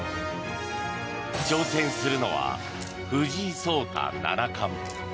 挑戦するのは藤井聡太七冠。